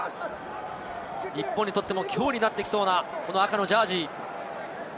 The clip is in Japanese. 日本にとっても脅威になってきそうな赤のジャージー。